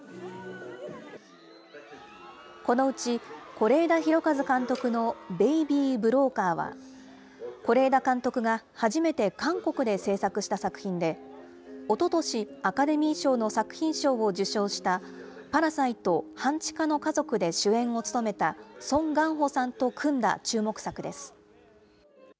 このうち、是枝裕和監督のベイビー・ブローカーは、是枝監督が初めて韓国で製作した作品で、おととし、アカデミー賞の作品賞を受賞した、パラサイト半地下の家族で主演を務めたソン・ガンホさんと組んだ注目作です。